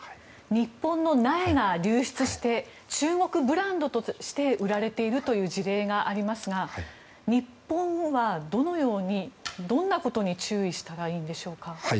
日本の苗が流出して中国ブランドとして売られているという事例がありますが日本はどのようにどんなことに注意したらいいのでしょうか。